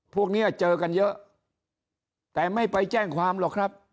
พวกนี้เจอกันเยอะแต่ไม่ไปแจ้งความหรอกครับ